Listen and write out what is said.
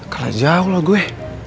kalah jauh lah gue